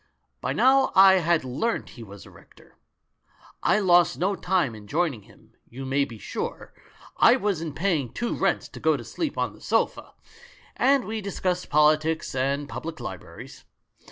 By now I had learnt he was a rector. I lost no time in joining him, you may be sure — I wasn't paying two rents to go to sleep on the sofa — and we dis cussed politics and public libraries.